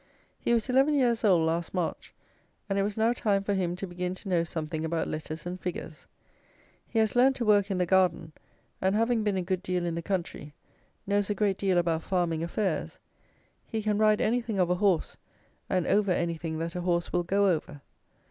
He was eleven years old last March, and it was now time for him to begin to know something about letters and figures. He has learned to work in the garden, and having been a good deal in the country, knows a great deal about farming affairs. He can ride anything of a horse, and over anything that a horse will go over.